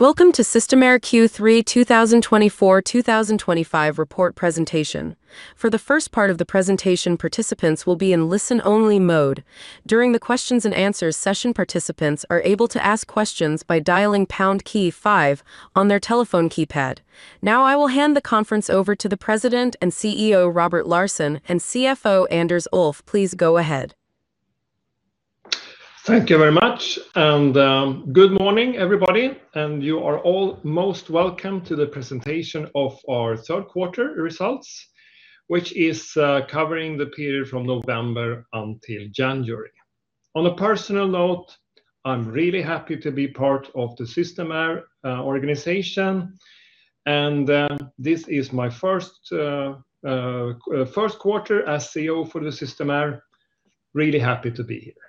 Welcome to Systemair Q3 2024/2025 report presentation. For the first part of the presentation, participants will be in listen-only mode. During the questions and answers session, participants are able to ask questions by dialing pound key five on their telephone keypad. Now, I will hand the conference over to the President and CEO, Robert Larsson, and CFO, Anders Ulff. Please go ahead. Thank you very much, good morning, everybody. You are all most welcome to the presentation of our third quarter results, which is covering the period from November until January. On a personal note, I'm really happy to be part of the Systemair organization, and this is my first quarter as CEO for the Systemair. Really happy to be here.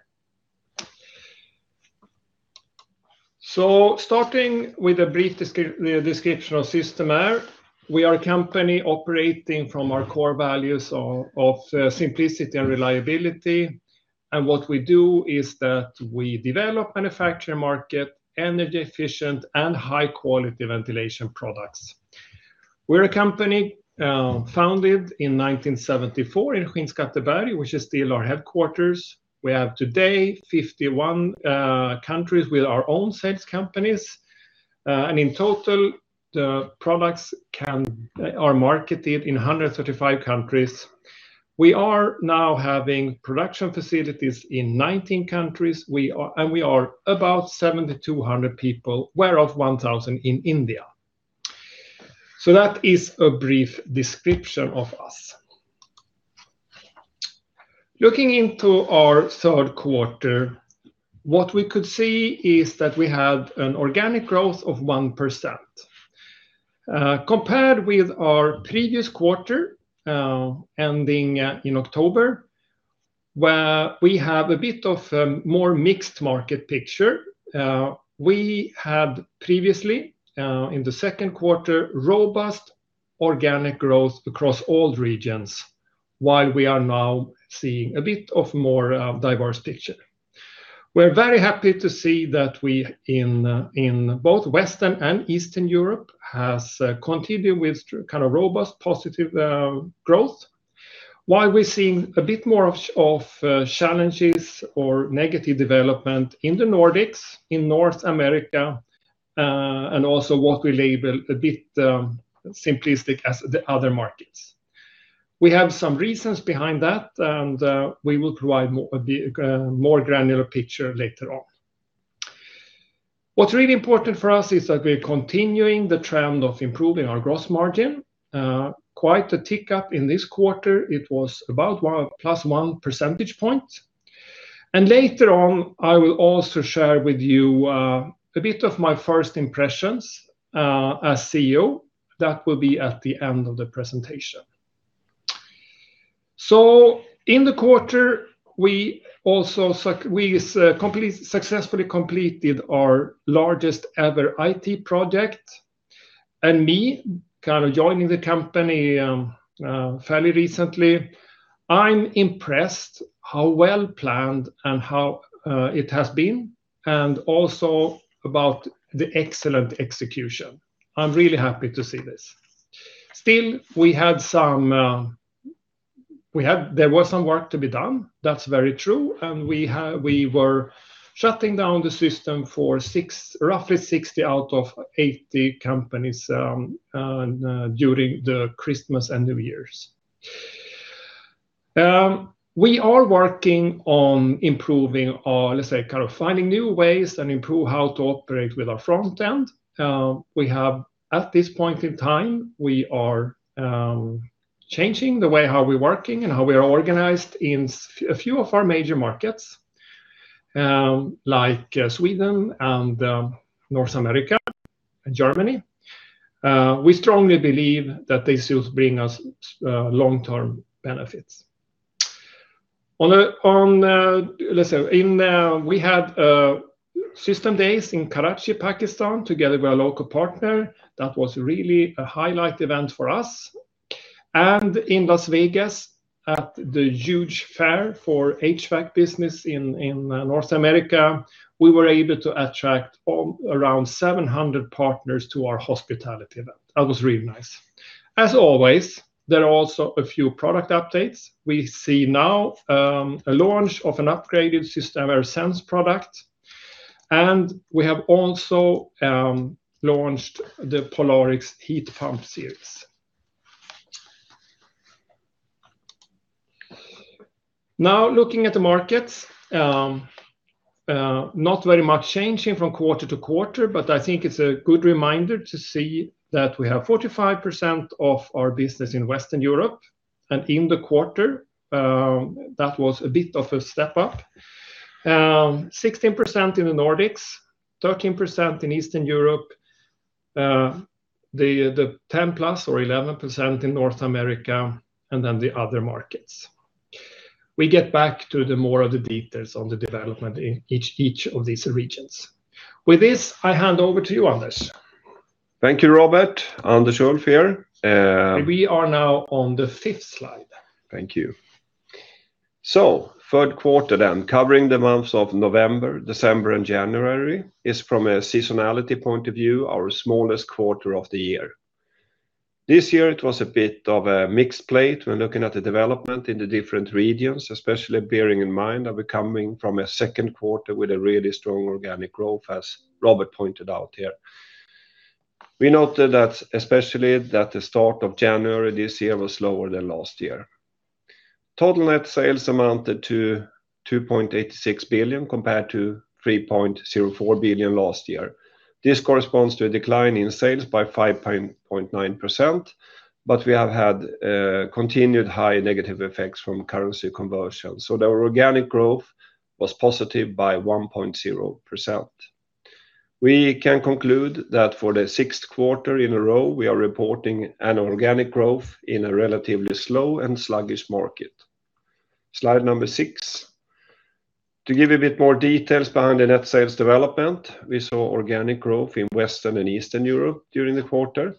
Starting with a brief description of Systemair. We are a company operating from our core values of simplicity and reliability. What we do is that we develop, manufacture, market energy efficient, and high-quality ventilation products. We're a company founded in 1974 in Skinnskatteberg, which is still our headquarters. We have today 51 countries with our own sales companies. In total, the products are marketed in 135 countries. We are now having production facilities in 19 countries. We are about 7,200 people, whereof 1,000 in India. That is a brief description of us. Looking into our third quarter, what we could see is that we have an organic growth of 1%. Compared with our previous quarter, ending in October, where we have a bit of more mixed market picture. We had previously, in the second quarter, robust organic growth across all regions, while we are now seeing a bit of more diverse picture. We're very happy to see that we in both Western and Eastern Europe has continued with kind of robust positive growth, while we're seeing a bit more of challenges or negative development in the Nordics, in North America, and also what we label a bit simplistic as the other markets. We have some reasons behind that. We will provide more, a bit more granular picture later on. What's really important for us is that we're continuing the trend of improving our gross margin. Quite a tick up in this quarter. It was about +1 percentage point. Later on, I will also share with you a bit of my first impressions as CEO. That will be at the end of the presentation. In the quarter, we also successfully completed our largest ever IT project. Me, kind of joining the company, fairly recently, I'm impressed how well-planned and how it has been and also about the excellent execution. I'm really happy to see this. Still, we had some. There was some work to be done. That's very true. We were shutting down the system for roughly 60 out of 80 companies during the Christmas and New Year's. We are working on improving our, let's say, kind of finding new ways and improve how to operate with our front end. We have, at this point in time, we are changing the way how we're working and how we are organized in a few of our major markets, like Sweden and North America and Germany. We strongly believe that this will bring us long-term benefits. We had Systemair Days in Karachi, Pakistan, together with a local partner. That was really a highlight event for us. In Las Vegas, at the huge fair for HVAC business in North America, we were able to attract around 700 partners to our hospitality event. That was really nice. As always, there are also a few product updates. We see now a launch of an upgraded Systemair Sense product, and we have also launched the Polarix heat pump series. Looking at the markets, not very much changing from quarter to quarter, but I think it's a good reminder to see that we have 45% of our business in Western Europe. In the quarter, that was a bit of a step up. 16% in the Nordics, 13% in Eastern Europe, 10%+ or 11% in North America, and then the other markets. We get back to the more of the details on the development in each of these regions. With this, I hand over to you, Anders. Thank you, Robert. Anders Ulff here. We are now on the fifth slide. Thank you. Third quarter then, covering the months of November, December, and January is from a seasonality point of view, our smallest quarter of the year. This year it was a bit of a mixed plate when looking at the development in the different regions, especially bearing in mind that we're coming from a second quarter with a really strong organic growth, as Robert pointed out here. We noted that especially that the start of January this year was lower than last year. Total net sales amounted to 2.86 billion compared to 3.04 billion last year. This corresponds to a decline in sales by 5.9%, but we have had continued high negative effects from currency conversion. The organic growth was positive by 1.0%. We can conclude that for the sixth quarter in a row, we are reporting an organic growth in a relatively slow and sluggish market. Slide number six. To give a bit more details behind the net sales development, we saw organic growth in Western and Eastern Europe during the quarter.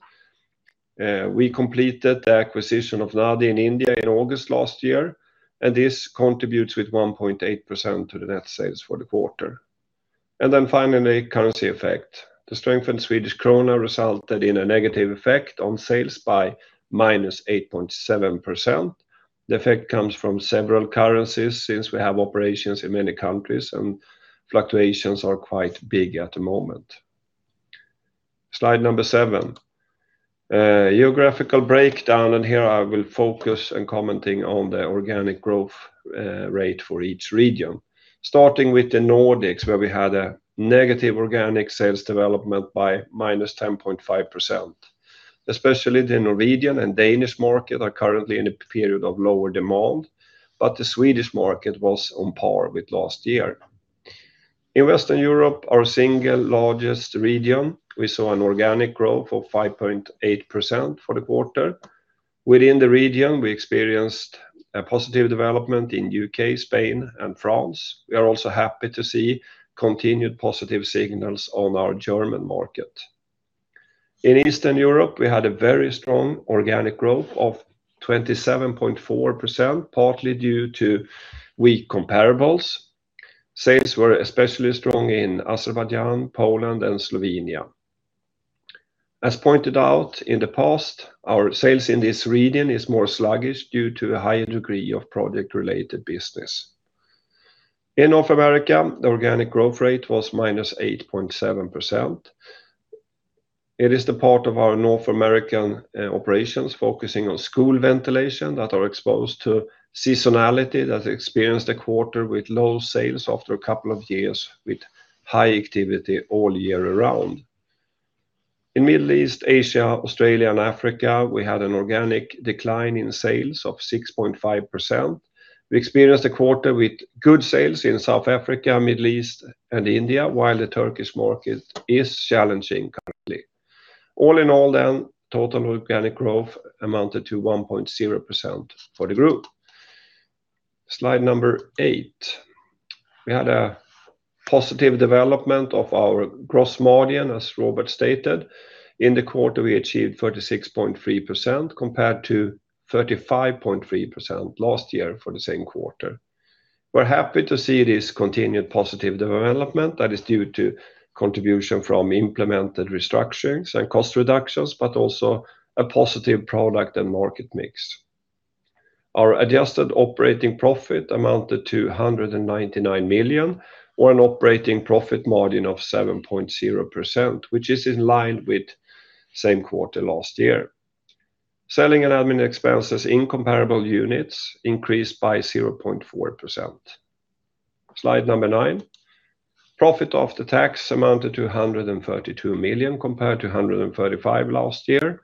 We completed the acquisition of NADI in India in August last year and this contributes with 1.8% to the net sales for the quarter. Finally, currency effect. The strengthened Swedish krona resulted in a negative effect on sales by -8.7%. The effect comes from several currencies since we have operations in many countries and fluctuations are quite big at the moment. Slide number seven, geographical breakdown. Here I will focus on commenting on the organic growth rate for each region. Starting with the Nordics, where we had a negative organic sales development by -10.5%. Especially the Norwegian and Danish market are currently in a period of lower demand, but the Swedish market was on par with last year. In Western Europe, our single largest region, we saw an organic growth of 5.8% for the quarter. Within the region, we experienced a positive development in U.K., Spain, and France. We are also happy to see continued positive signals on our German market. In Eastern Europe, we had a very strong organic growth of 27.4%, partly due to weak comparables. Sales were especially strong in Azerbaijan, Poland, and Slovenia. As pointed out in the past, our sales in this region are more sluggish due to a higher degree of project-related business. In North America, the organic growth rate was -8.7%. It is the part of our North American operations focusing on school ventilation that are exposed to seasonality that experienced a quarter with low sales after a couple of years with high activity all year around. In Middle East, Asia, Australia, and Africa, we had an organic decline in sales of 6.5%. We experienced a quarter with good sales in South Africa, Middle East, and India, while the Turkish market is challenging currently. All in all, total organic growth amounted to 1.0% for the group. Slide eight. We had a positive development of our gross margin, as Robert stated. In the quarter, we achieved 36.3% compared to 35.3% last year for the same quarter. We're happy to see this continued positive development that is due to contribution from implemented restructurings and cost reductions, but also a positive product and market mix. Our adjusted operating profit amounted to 199 million, or an operating profit margin of 7.0%, which is in line with same quarter last year. Selling and admin expenses in comparable units increased by 0.4%. Slide number nine. Profit after tax amounted to 132 million, compared to 135 last year.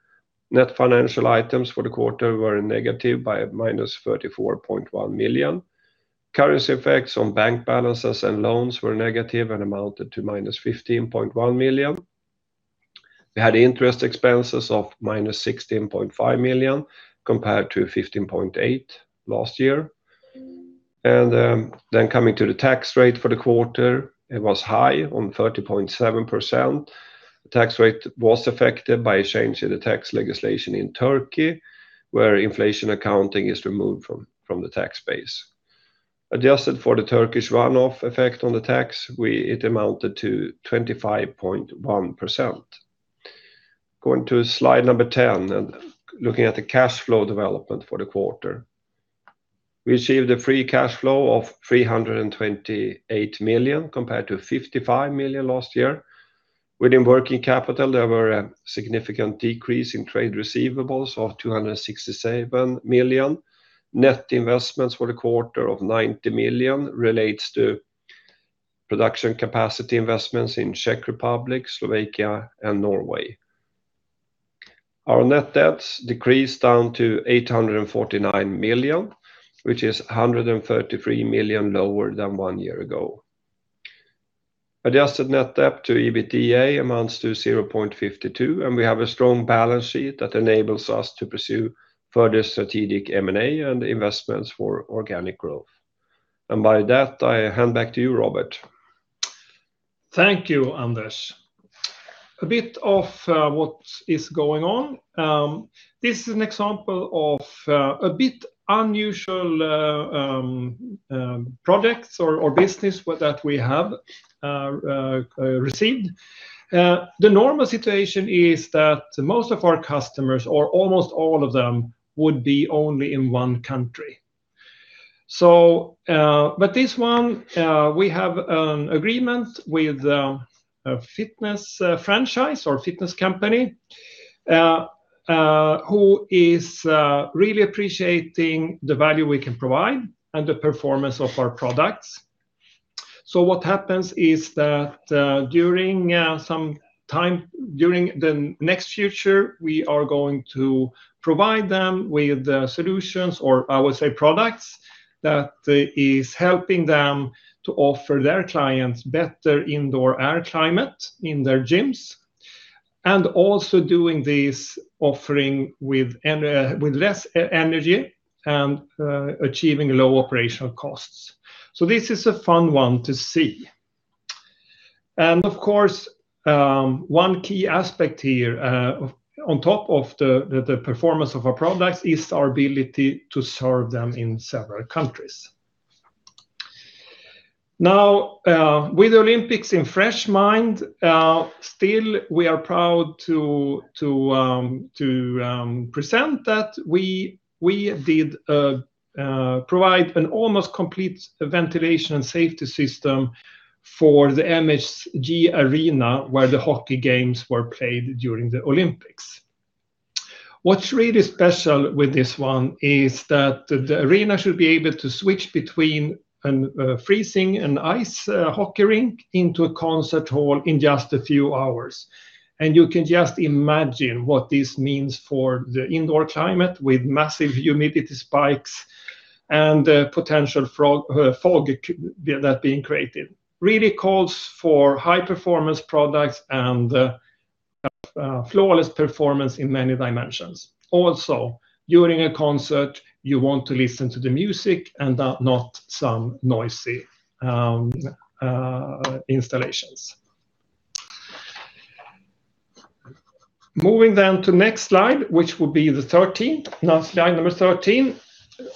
Net financial items for the quarter were negative by -34.1 million. Currency effects on bank balances and loans were negative and amounted to -15.1 million. We had interest expenses of -16.5 million, compared to 15.8 last year. Coming to the tax rate for the quarter, it was high on 30.7%. The tax rate was affected by a change in the tax legislation in Turkey, where inflation accounting is removed from the tax base. Adjusted for the Turkish run-off effect on the tax, it amounted to 25.1%. Going to slide number 10, looking at the cash flow development for the quarter. We received a free cash flow of 328 million compared to 55 million last year. Within working capital, there were a significant decrease in trade receivables of 267 million. Net investments for the quarter of 90 million relates to production capacity investments in Czech Republic, Slovakia, and Norway. Our net debts decreased down to 849 million, which is 133 million lower than one year ago. Adjusted net debt to EBITDA amounts to 0.52, and we have a strong balance sheet that enables us to pursue further strategic M&A and investments for organic growth. By that, I hand back to you, Robert. Thank you, Anders. A bit of what is going on. This is an example of a bit unusual products or business that we have received. The normal situation is that most of our customers, or almost all of them, would be only in one country. But this one, we have an agreement with a fitness franchise or fitness company, who is really appreciating the value we can provide and the performance of our products. What happens is that during some time during the next future, we are going to provide them with the solutions or, I would say, products that is helping them to offer their clients better indoor air climate in their gyms. Also doing this offering with less energy and achieving low operational costs. This is a fun one to see. Of course, one key aspect here, of, on top of the, the performance of our products is our ability to serve them in several countries. Now, with the Olympics in fresh mind, still we are proud to present that we did provide an almost complete ventilation and safety system for the MSG Arena, where the hockey games were played during the Olympics. What's really special with this one is that the arena should be able to switch between a freezing and ice hockey rink into a concert hall in just a few hours. You can just imagine what this means for the indoor climate with massive humidity spikes and potential fog that being created. Really calls for high-performance products and flawless performance in many dimensions. Also, during a concert, you want to listen to the music and not some noisy installations. Moving to next slide, which will be the 13th, now slide number 13.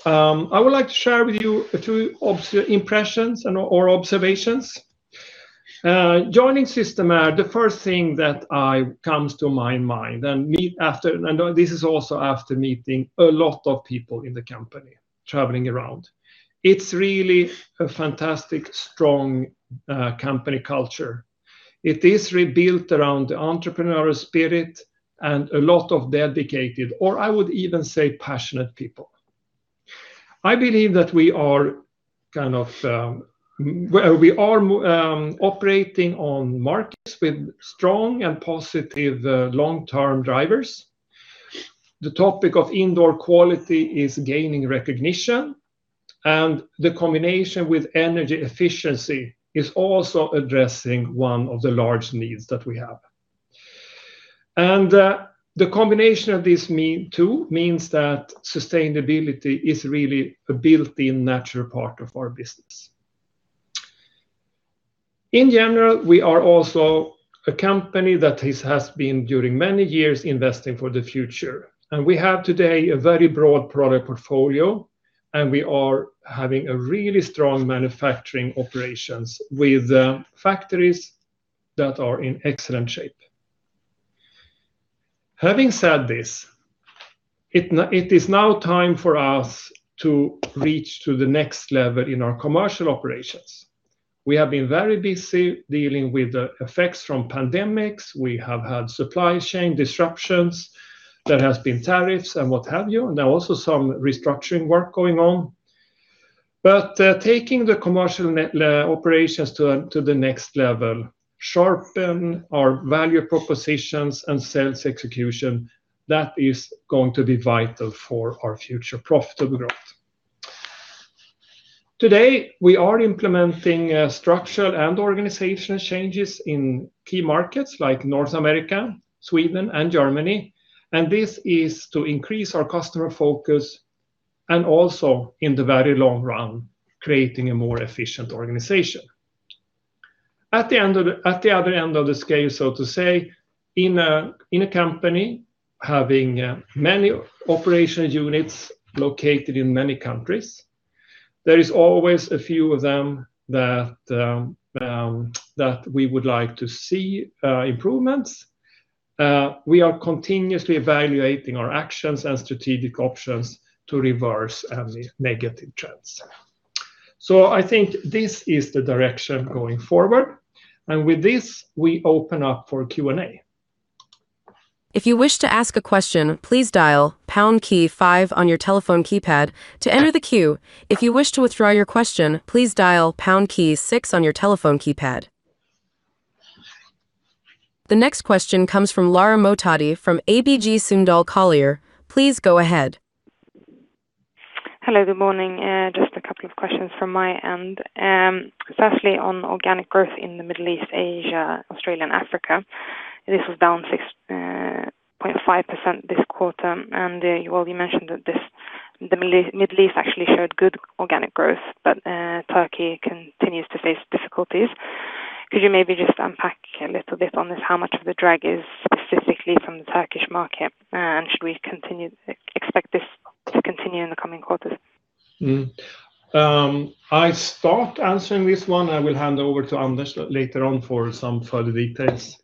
I would like to share with you a few impressions or observations. Joining Systemair, the first thing that I, comes to my mind, this is also after meeting a lot of people in the company, traveling around. It's really a fantastic, strong company culture. It is rebuilt around the entrepreneurial spirit and a lot of dedicated, or I would even say passionate people. I believe that we are kind of, well, we are operating on markets with strong and positive, long-term drivers. The topic of indoor quality is gaining recognition and the combination with energy efficiency is also addressing one of the large needs that we have. The combination of this mean too means that sustainability is really a built-in natural part of our business. In general, we are also a company that has been during many years investing for the future. We have today a very broad product portfolio and we are having a really strong manufacturing operations with factories that are in excellent shape. Having said this, it is now time for us to reach to the next level in our commercial operations. We have been very busy dealing with the effects from pandemics. We have had supply chain disruptions. There have been tariffs and what have you, and there are also some restructuring works going on. Taking the commercial net operations to the next level, sharpen our value propositions, and sales execution, that is going to be vital for our future profitable growth. Today, we are implementing structural and organizational changes in key markets like North America, Sweden, and Germany, and this is to increase our customer focus and also, in the very long run, creating a more efficient organization. At the other end of the scale, so to say, in a company having many operation units located in many countries, there is always a few of them that we would like to see improvements. We are continuously evaluating our actions and strategic options to reverse the negative trends. I think this is the direction going forward, and with this, we open up for Q&A. If you wish to ask a question, please dial pound key five on your telephone keypad to enter the queue. If you wish to withdraw your question, please dial pound key six on your telephone keypad. The next question comes from Lara Mohtadi from ABG Sundal Collier. Please go ahead. Hello, good morning. Just a couple of questions from my end. Firstly, on organic growth in the Middle East, Asia, Australia, and Africa, this was down 6.5% this quarter, and you already mentioned that the Middle East actually showed good organic growth, but Turkey continues to face difficulties. Could you maybe just unpack a little bit on this? How much of the drag is specifically from the Turkish market? Should we expect this to continue in the coming quarters? I start answering this one. I will hand over to Anders later on for some further details.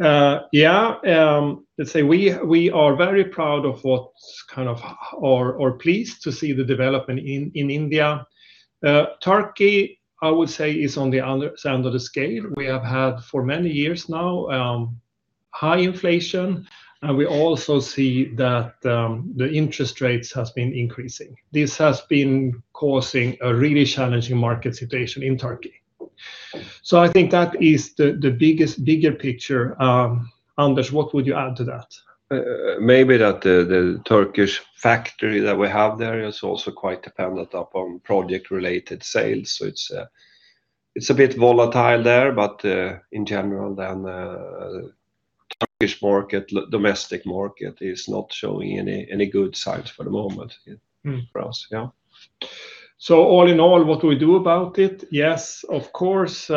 Yeah. Let's say we are very proud of what's kind of... Or pleased to see the development in India. Turkey, I would say is on the other side of the scale. We have had for many years now, high inflation, and we also see that the interest rates have been increasing. This has been causing a really challenging market situation in Turkey. I think that is the biggest, bigger picture. Anders, what would you add to that? Maybe that the Turkish factory that we have there is also quite dependent upon project related sales. It's a bit volatile there, in general, Turkish market, domestic market is not showing any good signs for the moment. Mm For us. Yeah. All in all, what do we do about it? Of course, we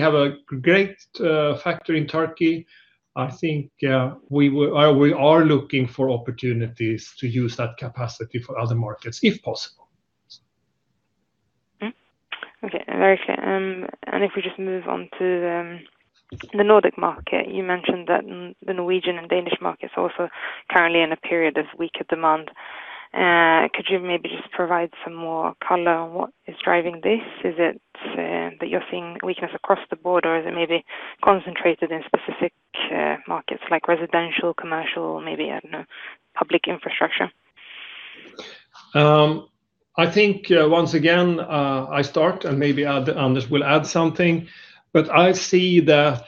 have a great factory in Turkey. I think we are looking for opportunities to use that capacity for other markets, if possible. Okay. Very clear. If we just move on to the Nordic market. You mentioned that the Norwegian and Danish markets also currently in a period of weaker demand. Could you maybe just provide some more color on what is driving this? Is it that you're seeing weakness across the board, or is it maybe concentrated in specific markets like residential, commercial, maybe, I don't know, public infrastructure? I think once again, I start and maybe add, Anders will add something. I see that,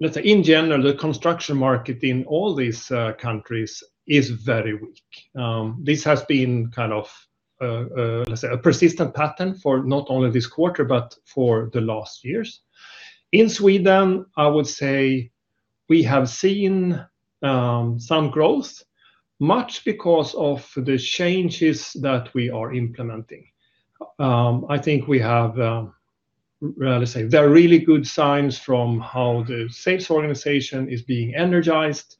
let's say in general, the construction market in all these countries is very weak. This has been kind of, let's say a persistent pattern for not only this quarter, but for the last years. In Sweden, I would say we have seen some growth, much because of the changes that we are implementing. I think we have, let's say there are really good signs from how the sales organization is being energized,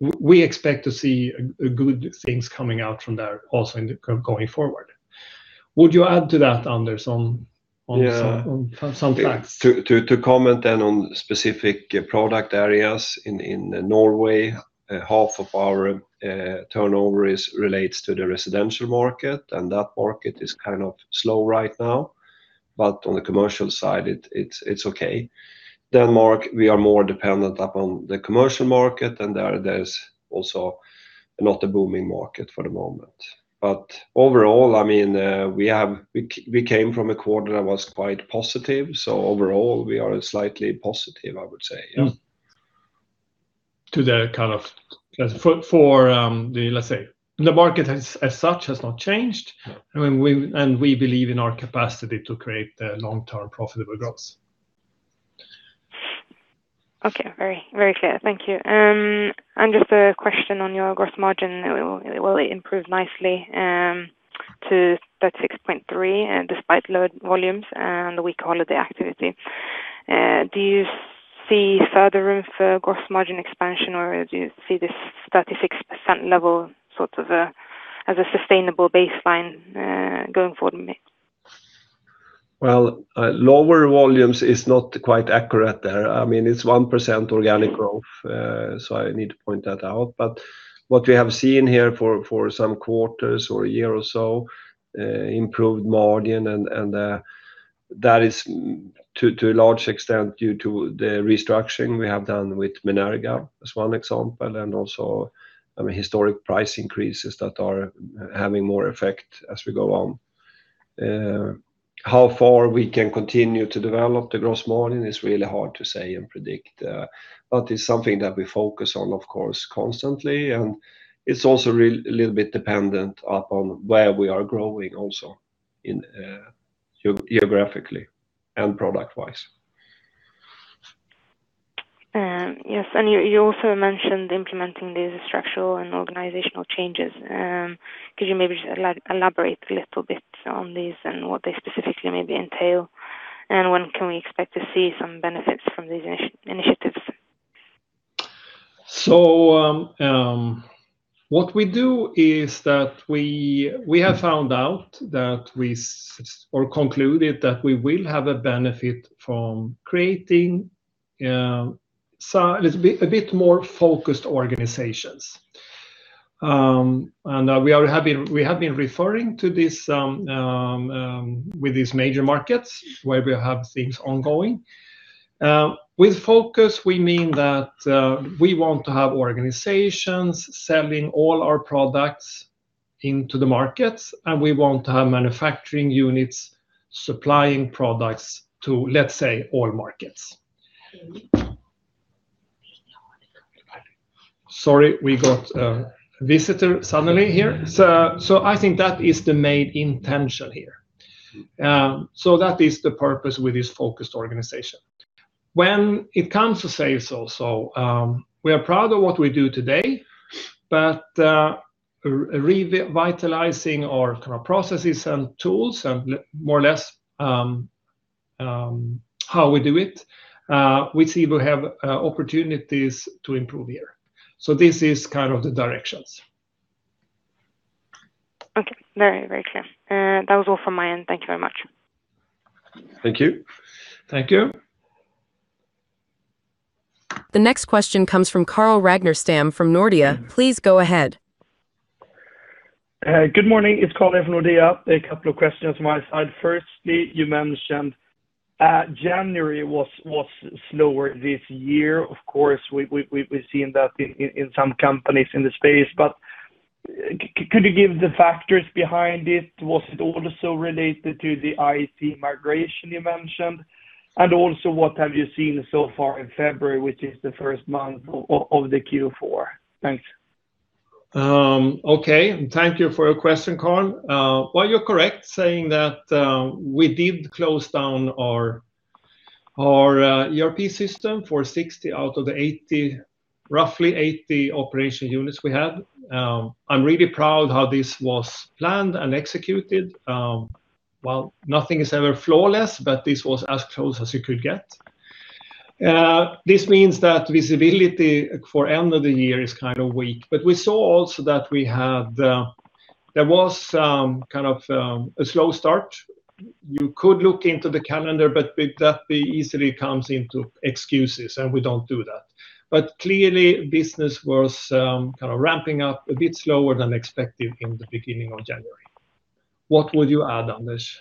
and we expect to see good things coming out from there also in the going forward. Would you add to that, Anders, on some- Yeah... on some facts? To comment then on specific product areas in Norway, half of our turnover relates to the residential market, and that market is kind of slow right now. On the commercial side, it's okay. Denmark, we are more dependent upon the commercial market, and there's also not a booming market for the moment. Overall, I mean, we have, we came from a quarter that was quite positive. Overall, we are slightly positive, I would say. Yeah. For, the, let's say, the market has, as such, has not changed. No. We believe in our capacity to create the long-term profitable growth. Okay. Very, very clear. Thank you. Just a question on your gross margin. Well, it improved nicely, to 36.3%, despite lower volumes and weaker holiday activity. Do you see further room for gross margin expansion, or do you see this 36% level sort of, as a sustainable baseline, going forward? Well, lower volumes is not quite accurate there. I mean, it's 1% organic growth. I need to point that out. What we have seen here for some quarters or a year or so, improved margin and that is to a large extent due to the restructuring we have done with Menerga as one example, and also, I mean, historic price increases that are having more effect as we go on. How far we can continue to develop the gross margin is really hard to say and predict, it's something that we focus on, of course, constantly. It's also a little bit dependent upon where we are growing also in geographically and product-wise. Yes. You also mentioned implementing these structural and organizational changes. Could you maybe elaborate a little bit on these and what they specifically maybe entail? When can we expect to see some benefits from these initiatives? What we do is that we have found out that we concluded that we will have a benefit from creating, let's be a bit more focused organization. We have been referring to this, with these major markets where we have things ongoing. With focus, we mean that, we want to have organizations selling all our products into the markets and we want to have manufacturing units supplying products to, let's say, all markets. Sorry, we got a visitor suddenly here. I think that is the main intention here. That is the purpose with this focused organization. When it comes to sales also, we are proud of what we do today, but, revitalizing our kind of processes and tools and more or less, how we do it? We see we have, opportunities to improve here. This is kind of the directions. Okay. Very, very clear. That was all from my end. Thank you very much. Thank you. Thank you. The next question comes from Carl Ragnerstam from Nordea. Please go ahead. Good morning. It's Carl from Nordea. A couple of questions from my side. Firstly, you mentioned, January was slower this year. Of course, we've seen that in some companies in the space. Could you give the factors behind it? Was it also related to the IT migration you mentioned? Also, what have you seen so far in February, which is the first month of the Q4? Thanks. Okay. Thank you for your question, Carl. Well, you're correct saying that we did close down our ERP system for 60 out of the 80, roughly 80 operation units we have. I'm really proud how this was planned and executed. Well, nothing is ever flawless, but this was as close as you could get. This means that visibility for end of the year is kind of weak. We saw also that we had. There was kind of a slow start. You could look into the calendar, but with that easily comes into excuses, and we don't do that. Clearly business was kind of ramping up a bit slower than expected in the beginning of January. What would you add, Anders?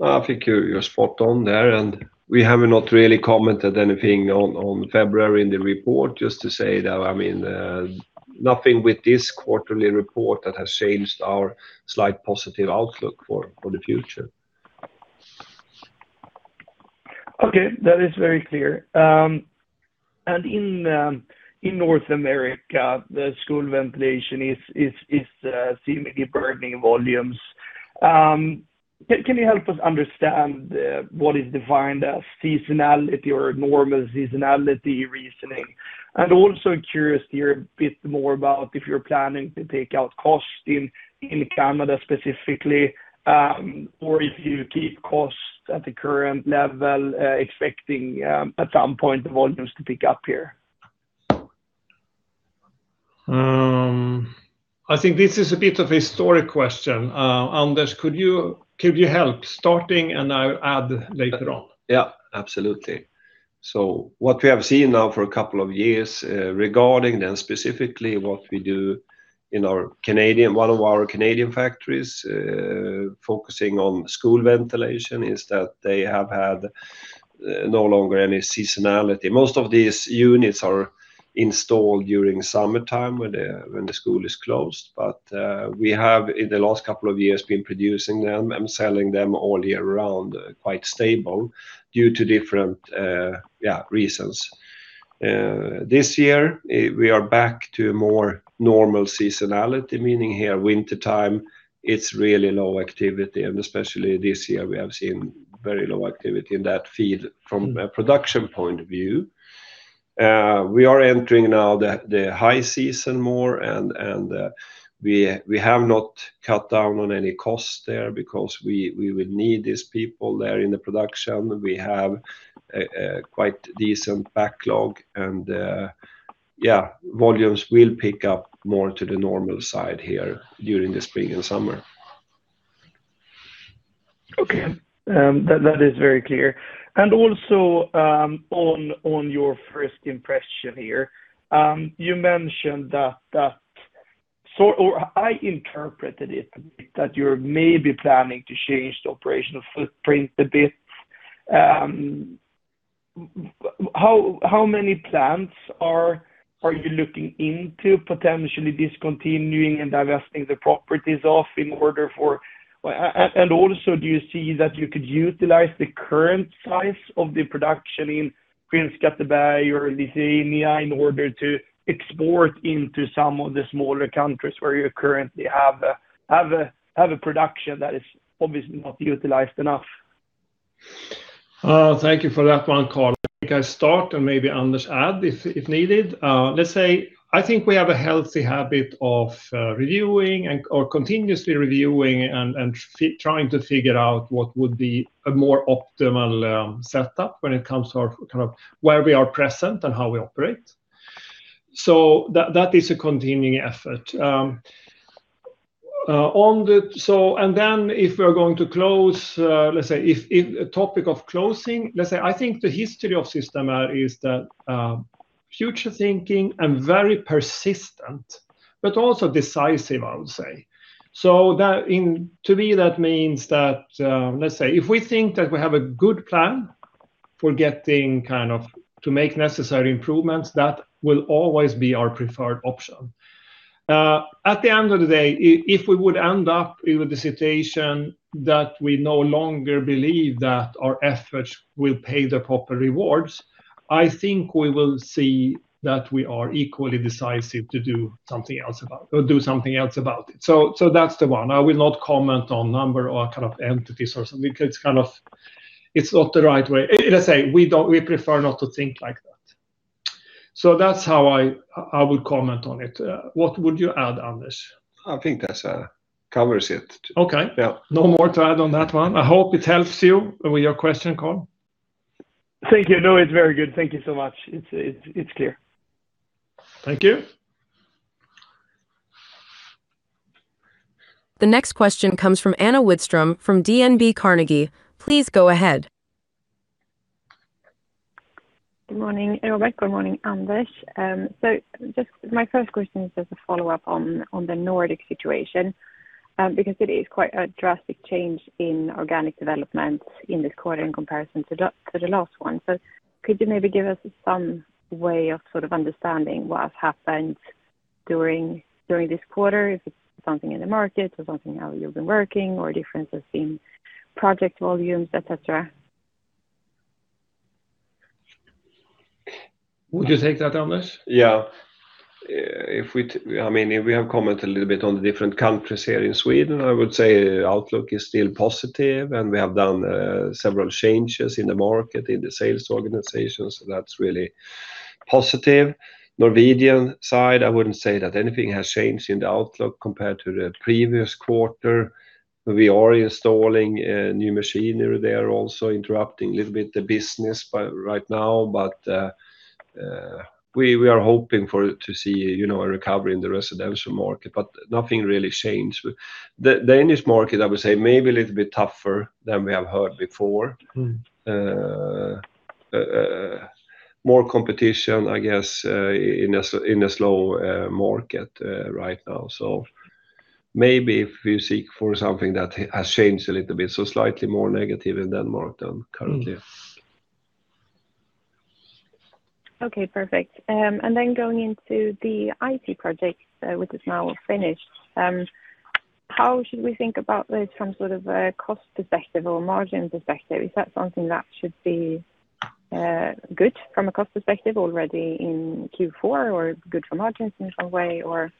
I think you're spot on there, and we have not really commented anything on February in the report. Just to say that, I mean, nothing with this quarterly report that has changed our slight positive outlook for the future. Okay. That is very clear. In North America, the school ventilation is seemingly burning volumes. Can you help us understand what is defined as seasonality or normal seasonality reasoning? Also curious to hear a bit more about if you're planning to take out costs in Canada specifically, or if you keep costs at the current level, expecting at some point the volumes to pick up here? I think this is a bit of a historic question. Anders, could you help starting, and I'll add later on? Yeah, absolutely. What we have seen now for a couple of years, regarding then specifically what we do in our one of our Canadian factories, focusing on school ventilation, is that they have had no longer any seasonality. Most of these units are installed during summertime when the school is closed. We have, in the last couple of years, been producing them and selling them all year round, quite stable due to different, yeah, reasons. This year, we are back to more normal seasonality, meaning here wintertime, it's really low activity, and especially this year we have seen very low activity in that field from a production point of view. We are entering now the high season more and, we have not cut down on any costs there because we will need these people there in the production. We have a quite decent backlog and, volumes will pick up more to the normal side here during the spring and summer. Okay. That is very clear. Also, on your first impression here, you mentioned that I interpreted it that you're maybe planning to change the operational footprint a bit. How many plants are you looking into potentially discontinuing and divesting the properties of in order for? Also, do you see that you could utilize the current size of the production in Skinnskatteberg or Lithuania in order to export into some of the smaller countries where you currently have a production that is obviously not utilized enough? Thank you for that one, Carl. I think I start and maybe Anders add if needed. Let's say I think we have a healthy habit of reviewing and or continuously reviewing and trying to figure out what would be a more optimal setup when it comes to our kind of where we are present and how we operate. That is a continuing effort. If we're going to close, let's say if in a topic of closing, let's say I think the history of Systemair is that future thinking and very persistent, but also decisive, I would say. That to me, that means that, let's say if we think that we have a good plan for getting kind of to make necessary improvements, that will always be our preferred option. At the end of the day, if we would end up with the situation that we no longer believe that our efforts will pay the proper rewards, I think we will see that we are equally decisive to do something else about it. That's the one. I will not comment on number or kind of entities or something. It's kind of, it's not the right way. As I say, we prefer not to think like that. That's how I would comment on it. What would you add, Anders? I think that, covers it. Okay. Yeah. No more to add on that one. I hope it helps you with your question, Carl. Thank you. No, it's very good. Thank you so much. It's, it's clear. Thank you. The next question comes from Anna Widström from DNB Carnegie. Please go ahead. Good morning, Robert. Good morning, Anders. Just my first question is just a follow-up on the Nordic situation, because it is quite a drastic change in organic development in this quarter in comparison to the, to the last one. Could you maybe give us some way of sort of understanding what has happened during this quarter, if it's something in the market or something how you've been working or differences in project volumes, et cetera? Would you take that, Anders? Yeah. If we I mean, we have commented a little bit on the different countries here in Sweden. I would say outlook is still positive and we have done several changes in the market, in the sales organizations. That's really positive. Norwegian side, I wouldn't say that anything has changed in the outlook compared to the previous quarter. We are installing new machinery there, also interrupting a little bit the business by right now. We are hoping for to see, you know, a recovery in the residential market, but nothing really changed. The Danish market, I would say maybe a little bit tougher than we have heard before. Mm. More competition, I guess, in a slow market right now. Maybe if you seek for something that has changed a little bit, so slightly more negative in Denmark than currently. Mm. Okay, perfect. Going into the IT project, which is now finished, how should we think about this from sort of a cost perspective or margin perspective? Is that something that should be good from a cost perspective already in Q4 or good for margins in some way, or?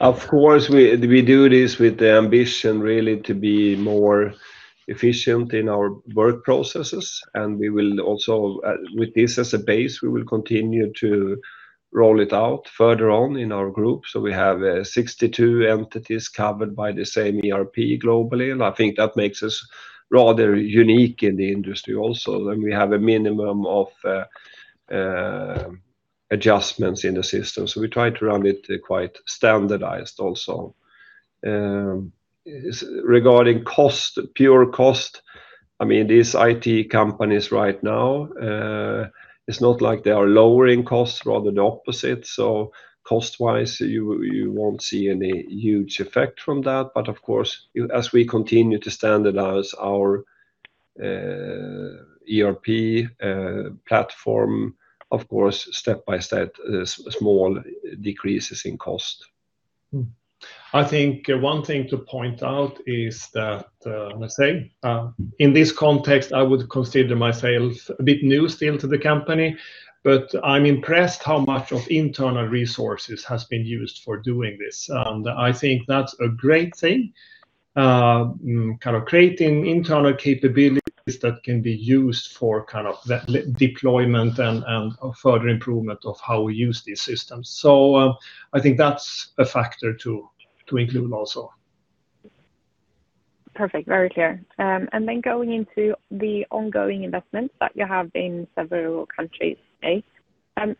Of course, we do this with the ambition really to be more efficient in our work processes, and we will also, with this as a base, we will continue to roll it out further on in our group. We have 62 entities covered by the same ERP globally, and I think that makes us rather unique in the industry also. We have a minimum of adjustments in the system, so we try to run it quite standardized also. Regarding cost, pure cost, I mean, these IT companies right now, it's not like they are lowering costs, rather the opposite. Cost-wise, you won't see any huge effect from that. Of course, as we continue to standardize our ERP platform, of course, step by step, there's small decreases in cost. I think one thing to point out is that, let's say, in this context, I would consider myself a bit new still to the company, but I'm impressed how much of internal resources has been used for doing this. I think that's a great thing, kind of creating internal capabilities that can be used for kind of the deployment and further improvement of how we use these systems. I think that's a factor to include also. Perfect. Very clear. Going into the ongoing investments that you have in several countries,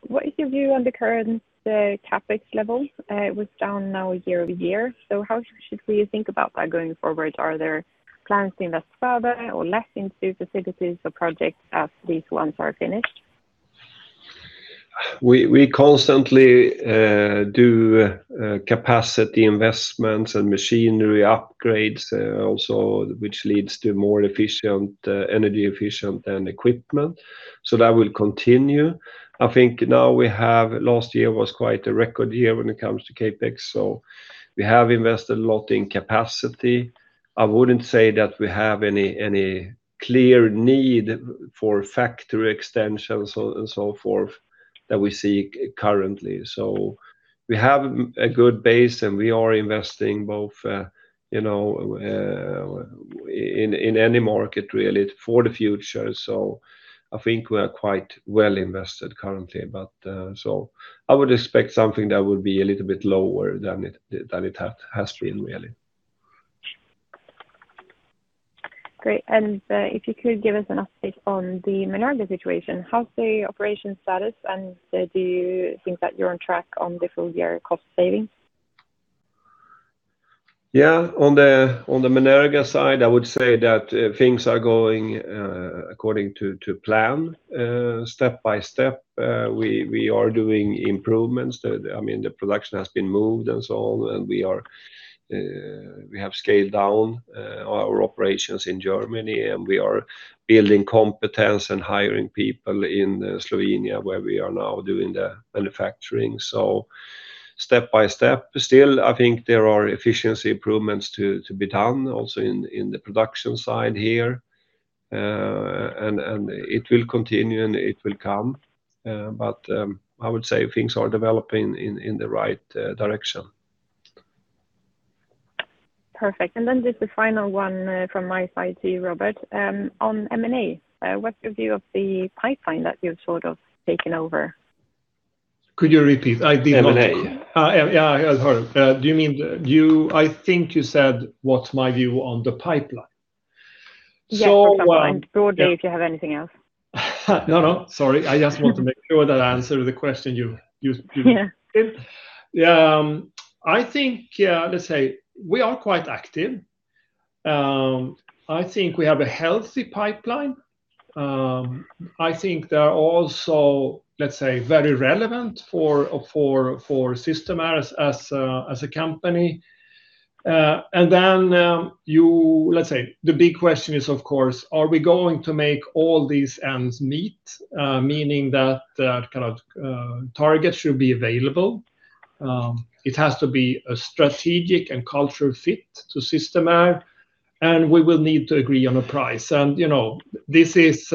what is your view on the current CapEx level? It was down now year-over-year. How should we think about that going forward? Are there plans to invest further or less into facilities or projects as these ones are finished? We constantly do capacity investments and machinery upgrades, also which leads to more efficient, energy efficient and equipment. That will continue. I think now we have last year was quite a record year when it comes to CapEx, so we have invested a lot in capacity. I wouldn't say that we have any clear need for factory extensions so, and so forth that we see currently. We have a good base, and we are investing both, you know, in any market really for the future. I think we are quite well invested currently. I would expect something that would be a little bit lower than it has been really. Great. If you could give us an update on the Menerga situation, how's the operation status, and do you think that you're on track on the full year cost savings? Yeah. On the, on the Menerga side, I would say that things are going according to plan, step by step. We are doing improvements. The, I mean, the production has been moved and so on, and we are, we have scaled down our operations in Germany, and we are building competence and hiring people in Slovenia, where we are now doing the manufacturing. Step by step. Still, I think there are efficiency improvements to be done also in the production side here. It will continue, and it will come. I would say things are developing in the right direction. Perfect. Just the final one, from my side to you, Robert, on M&A. What's your view of the pipeline that you've sort of taken over? Could you repeat? I did not- M&A. Yeah, I heard. Do you mean I think you said what's my view on the pipeline? Yes, or some kind. So, uh- Broadly, if you have anything else. No, no. Sorry. I just want to make sure that I answer the question you. Yeah I think, yeah, let's say we are quite active. I think we have a healthy pipeline. I think they are also, let's say, very relevant for Systemair as a company. Then, let's say, the big question is, of course, are we going to make all these ends meet, meaning that the kind of target should be available. It has to be a strategic and cultural fit to Systemair, and we will need to agree on a price. You know, this is,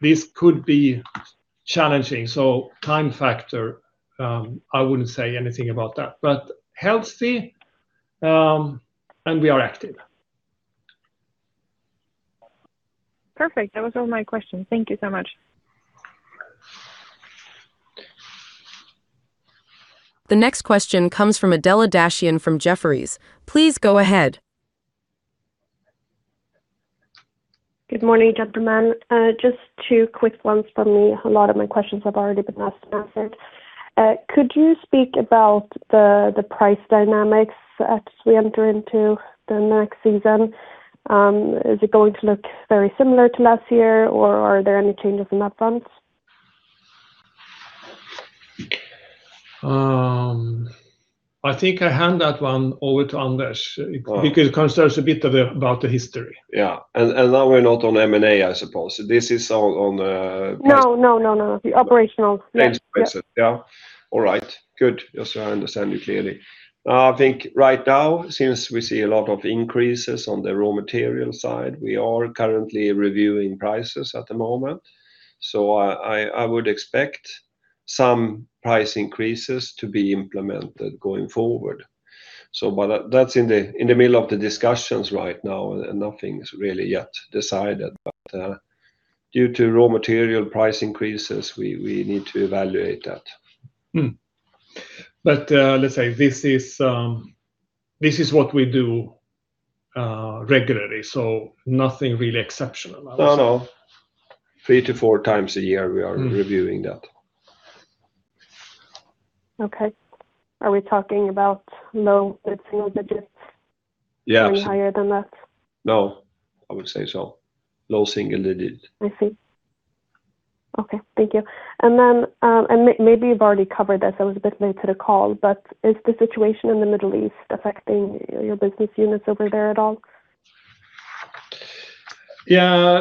this could be challenging. Time factor, I wouldn't say anything about that, but healthy, and we are active. Perfect. That was all my questions. Thank you so much. The next question comes from Adela Dashian from Jefferies. Please go ahead. Good morning, gentlemen. Just two quick ones from me. A lot of my questions have already been asked and answered. Could you speak about the price dynamics as we enter into the next season? Is it going to look very similar to last year, or are there any changes in that front? I think I hand that one over to Anders because it concerns about the history. Yeah. Now we're not on M&A, I suppose. This is all on. No, no, no. The operational mix. Price. Yeah. All right. Good. Just so I understand you clearly. I think right now, since we see a lot of increases on the raw material side, we are currently reviewing prices at the moment. I would expect some price increases to be implemented going forward. but that's in the middle of the discussions right now, and nothing's really yet decided. due to raw material price increases, we need to evaluate that. Let's say this is, this is what we do, regularly, so nothing really exceptional, I would say. No, no. Three to four times a year we are reviewing that. Okay. Are we talking about low-single digits? Yeah. Even higher than that? No. I would say so. Low-single digits. I see. Okay. Thank you. Maybe you've already covered this, I was a bit late to the call, is the situation in the Middle East affecting your business units over there at all? Yeah.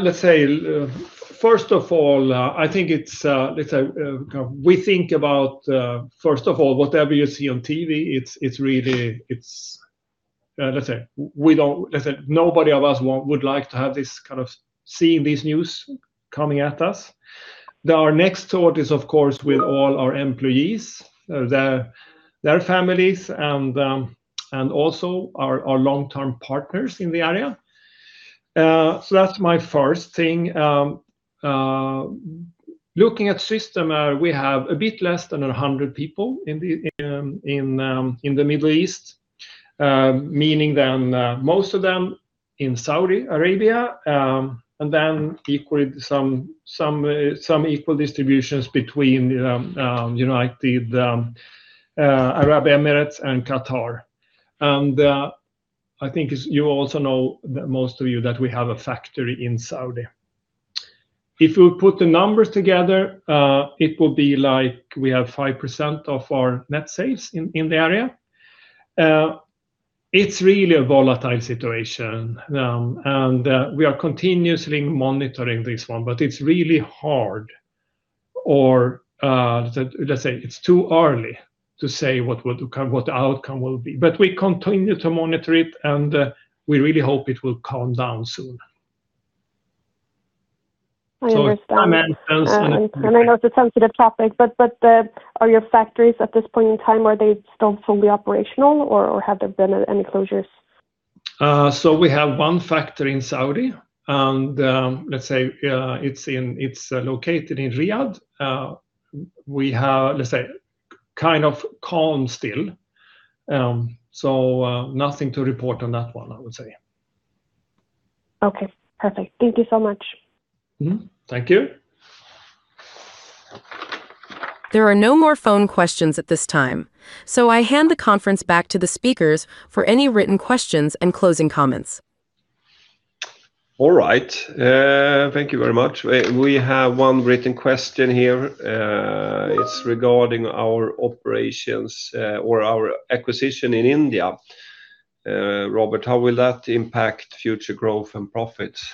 First of all, I think it's kind of we think about first of all, whatever you see on TV, it's really. It's we don't nobody of us want, would like to have this kind of seeing this news coming at us. Our next thought is, of course, with all our employees, their families, and also our long-term partners in the area. That's my first thing. Looking at Systemair, we have a bit less than 100 people in the Middle East, meaning then most of them in Saudi Arabia, and then equally some equal distributions between United Arab Emirates and Qatar. I think as you also know, most of you, that we have a factory in Saudi. If you put the numbers together, it will be like we have 5% of our net sales in the area. It's really a volatile situation, and we are continuously monitoring this one, but it's really hard or let's say it's too early to say what would, what the outcome will be. We continue to monitor it, and we really hope it will calm down soon. I understand. I meant, else any- I know it's a sensitive topic, but are your factories at this point in time, are they still fully operational or have there been any closures? We have one factory in Saudi and it's located in Riyadh. We have kind of calm still. Nothing to report on that one, I would say. Okay. Perfect. Thank you so much. Mm-hmm. Thank you. There are no more phone questions at this time, so I hand the conference back to the speakers for any written questions and closing comments. All right. Thank you very much. We have one written question here. It's regarding our operations, or our acquisition in India. Robert, how will that impact future growth and profits?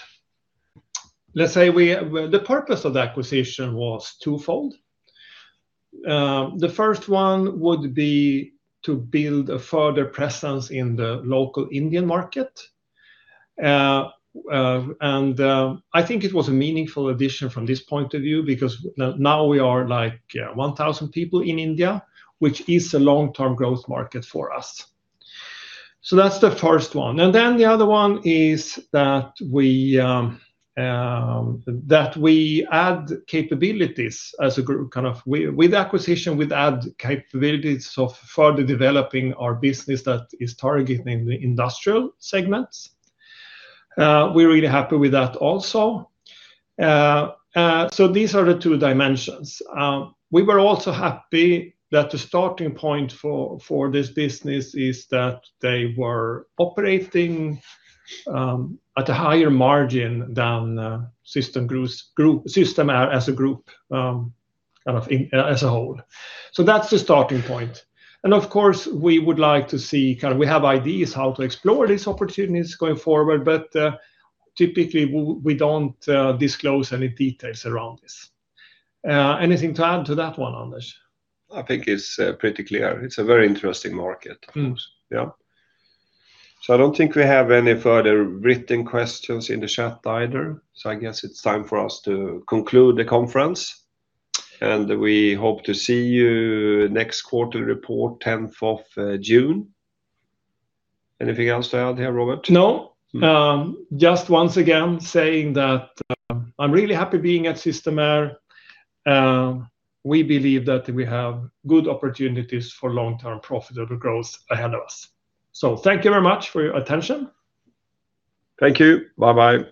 Let's say we. The purpose of the acquisition was twofold. The first one would be to build a further presence in the local Indian market. I think it was a meaningful addition from this point of view because now we are, like, 1,000 people in India, which is a long-term growth market for us. That's the first one. The other one is that we add capabilities as a group, kind of with acquisition, we add capabilities of further developing our business that is targeting the industrial segments. We're really happy with that also. These are the two dimensions. We were also happy that the starting point for this business is that they were operating at a higher margin than Systemair Group, Systemair as a group, as a whole. That's the starting point. Of course, we would like to see, we have ideas how to explore these opportunities going forward, but typically we don't disclose any details around this. Anything to add to that one, Anders? I think it's, pretty clear. It's a very interesting market. Mm-hmm. Yeah. I don't think we have any further written questions in the chat either, so I guess it's time for us to conclude the conference. We hope to see you next quarter report, 10th of June. Anything else to add here, Robert? No. Mm-hmm. Just once again saying that, I'm really happy being at Systemair. We believe that we have good opportunities for long-term profitable growth ahead of us. Thank you very much for your attention. Thank you. Bye-bye.